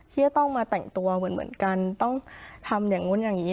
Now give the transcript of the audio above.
ที่จะต้องมาแต่งตัวเหมือนกันต้องทำอย่างนู้นอย่างนี้